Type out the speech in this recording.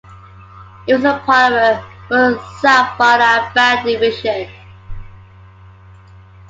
It was part of Muzaffarabad Division.